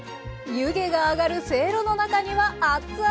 湯気が上がるせいろの中にはあっつあ